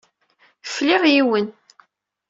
Fliɣ yiwen.